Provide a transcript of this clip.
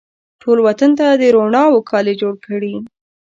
ټول وطن ته د روڼاوو کالي جوړکړي